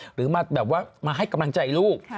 หรือมาแบบว่ามาให้กำลังใจลูก